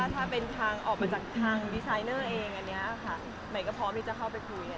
ถ้าเป็นทางออกมาจากทางดีไซเนอร์เองอันนี้ค่ะใหม่ก็พร้อมที่จะเข้าไปคุย